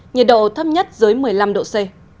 nhiệt độ thấp nhất dưới một mươi năm độ c